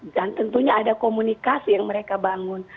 dan tentunya ada komunikasi yang mereka bangun